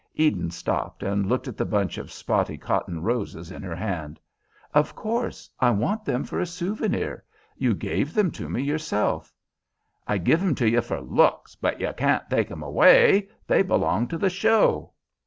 Eden stopped and looked at the bunch of spotty cotton roses in her hand. "Of course. I want them for a souvenir. You gave them to me yourself." "I give 'em to you for looks, but you can't take 'em away. They belong to the show."